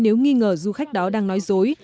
nếu nghi ngờ du khách đó đang nói dối